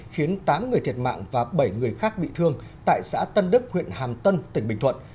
khiến tám người thiệt mạng và bảy người khác bị thương tại xã tân đức huyện hàm tân tỉnh bình thuận